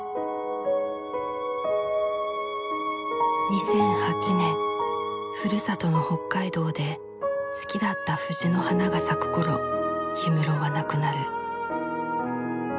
２００８年ふるさとの北海道で好きだった藤の花が咲く頃氷室は亡くなる。